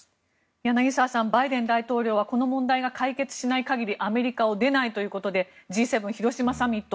柳澤さんバイデン大統領はこの問題が解決しない限りアメリカを出ないということでＧ７広島サミット